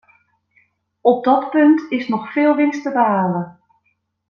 Op dat punt is nog veel winst te behalen.